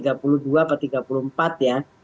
rp tiga puluh dua atau rp tiga puluh empat ya